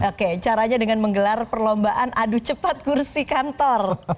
oke caranya dengan menggelar perlombaan adu cepat kursi kantor